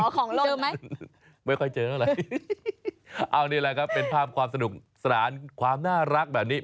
อ๋อของโลกนะไม่ค่อยเจออะไรเอาอันนี้แหละครับเป็นภาพความสนุกสลานความน่ารักแบบนี้